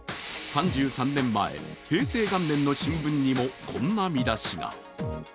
３３年前、平成元年の新聞にもこんな見出しが。